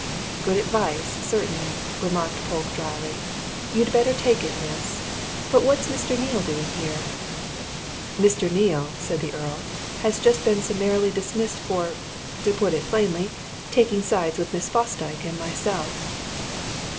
"Good advice, certainly," remarked Polke drily. "You'd better take it, miss. But what's Mr. Neale doing here?" "Mr. Neale," said the Earl, "has just been summarily dismissed for to put it plainly taking sides with Miss Fosdyke and myself."